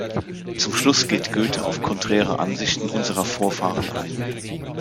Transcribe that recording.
Zum Schluss geht Goethe auf konträre Ansichten "unserer Vorfahren" ein.